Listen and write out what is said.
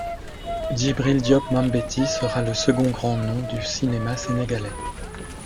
Djibril Diop Mambety sera le second grand nom du cinéma sénégalais.